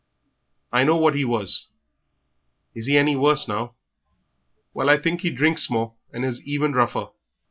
"I know what he was; is he any worse now?" "Well, I think he drinks more, and is even rougher.